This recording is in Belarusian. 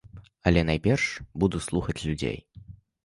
Але найперш буду слухаць людзей.